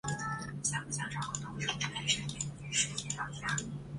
中华民国与不丹关系是指中华民国与不丹王国之间的关系。